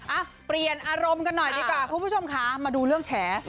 อ่ะเปลี่ยนอารมณ์กันหน่อยดีกว่าคุณผู้ชมค่ะมาดูเรื่องแฉ